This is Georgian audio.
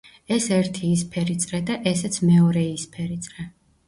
ეს ერთი იისფერი წრე და ესეც მეორე იისფერი წრე.